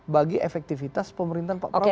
bagi efektivitas pemerintahan pak prabowo